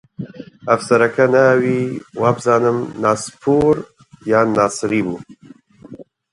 ئەفسەرەکە ناوی وابزانم ناسرپوور یان ناسری بوو